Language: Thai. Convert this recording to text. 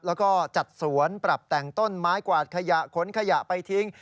แล้วก็จัดสวนปรับแต่งต้นไม้กวาดขยะขนขยะไปทิ้ง